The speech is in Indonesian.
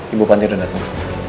ibu pantai udah dateng